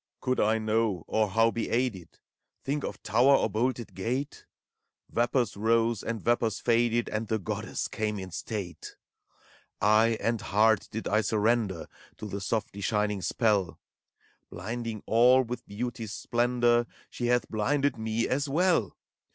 Could I know, or how be aided? Think of tower or bolted gate? Yapors rose and vapors faded, And the Goddess came in state I Eye and heart did I surrender To the softly shining spell: Blinding all with Beauty's splendor, She hath blinded me, as well.